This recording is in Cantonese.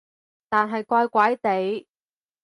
但係怪怪地